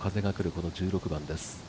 この１６番です。